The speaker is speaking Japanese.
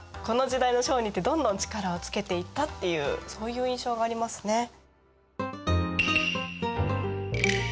この時代の商人ってどんどん力をつけていったっていうそういう印象がありますね。